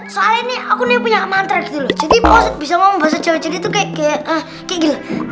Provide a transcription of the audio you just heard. soalnya ini aku punya mantra gitu loh jadi bisa ngomong bahasa jawa jadi tuh kayak gila